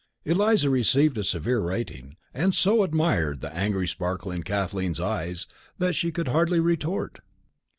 Eliza received a severe rating, and so admired the angry sparkle in Kathleen's eyes that she could hardly retort.